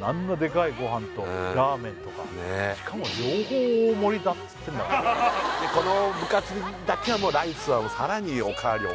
あんなでかいご飯とラーメンとかしかも両方大盛りだっつってんだからこの部活だけはもうライスはさらにおかわりＯＫ